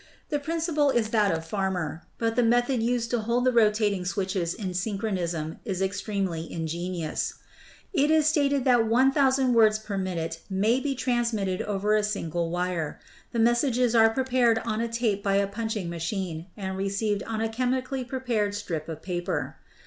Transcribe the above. The principle is that of Farmer, but the method used to hold the rotating switches in synchronism is ex tremely ingenious. It is stated that 1,000 words per min ute may be transmitted over a single wire. The messages ■are prepared on a tape by a punching machine and re ceived on a chemically prepared strip of paper.